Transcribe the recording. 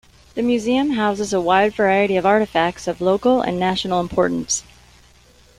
The Museum houses a wide variety of artifacts of local and national importance.